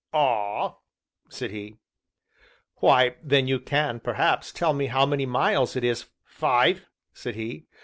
"Ah!" said he. "Why, then you can, perhaps, tell me how many miles it is " "Five," said he.